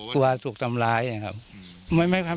ถูกทำร้ายนะครับ